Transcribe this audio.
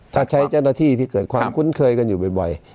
ถ้าใช้เจ้าหน้าที่ที่เกิดความคุ้นเคยกันอยู่บ่อย